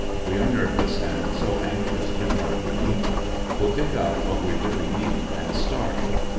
We are nervous, and so anxious can hardly eat. Will pick up what we really need and start.